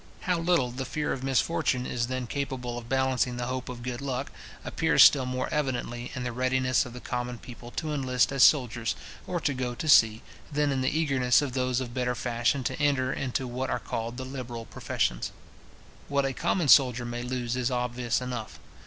How little the fear of misfortune is then capable of balancing the hope of good luck, appears still more evidently in the readiness of the common people to enlist as soldiers, or to go to sea, than in the eagerness of those of better fashion to enter into what are called the liberal professions. What a common soldier may lose is obvious enough.